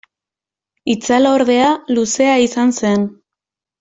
Itzala, ordea, luzea izan zen.